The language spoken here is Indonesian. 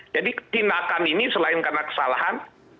jadi ketindakan ini selain karena kesalahan